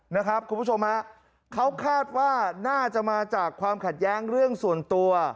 นะครับคุณผู้ชมฮะเขาคาดว่าน่าจะมาจากความขัดแย้งเรื่องส่วนตัว